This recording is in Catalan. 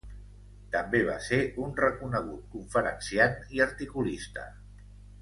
També va ser un reconegut conferenciant i articulista.